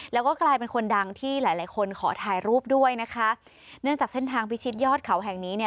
แล้วก็กลายเป็นคนดังที่หลายหลายคนขอถ่ายรูปด้วยนะคะเนื่องจากเส้นทางพิชิตยอดเขาแห่งนี้เนี่ย